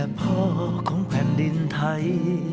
ด้วยตัวเราอีก